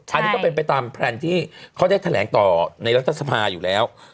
อันนี้ก็เป็นไปตามแพลนที่เขาได้แถลงต่อในรัฐสภาอยู่แล้ว